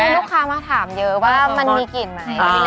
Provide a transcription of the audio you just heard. ลูกค้ามาถามเยอะว่ามันมีกลิ่นไหม